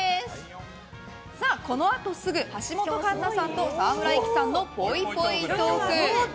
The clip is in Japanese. このあとすぐ、橋本環奈さんと沢村一樹さんのぽいぽいトーク。